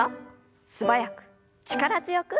素早く力強く。